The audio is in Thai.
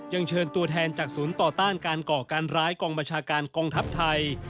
เชิญตัวแทนจากศูนย์ต่อต้านการก่อการร้ายกองบัญชาการกองทัพไทย